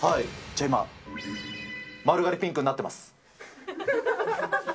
じゃあ今、丸刈りピンクになってます。